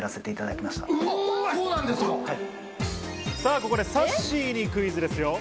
ここでさっしーにクイズです。